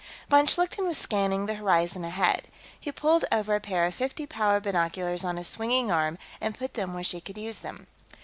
Von Schlichten was scanning the horizon ahead. He pulled over a pair of fifty power binoculars on a swinging arm and put them where she could use them.